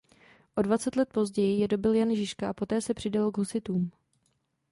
O dvacet let později je dobyl Jan Žižka a poté se přidalo k husitům.